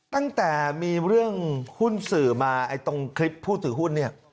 ตั้งแต่มีเรื่องหุ้นสื่อมาตรงคลิปผู้ถือหุ้นเนี่ย